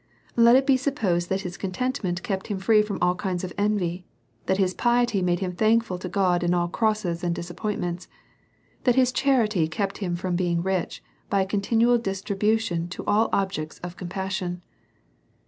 Let it be supposed, that his contentment kept him free from all kinds of envy ; that his piety made him thankful to' God in all crosses and disappointments; that his charity kept him from being rich by a conti nual distribution to all objects of compassion.